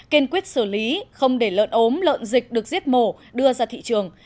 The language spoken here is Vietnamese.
kiên quyết xử lý không để lợn ốm lợn dịch được giết mổ đưa ra thị trường